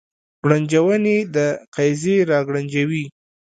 ګړنجونې د قیزې را ګړنجوي